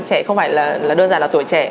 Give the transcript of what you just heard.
trẻ không phải đơn giản là tuổi trẻ